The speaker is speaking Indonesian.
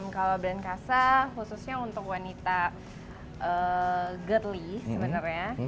kalau brand casa khususnya untuk wanita girly sebenarnya